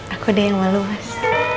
aku deh yang malu mas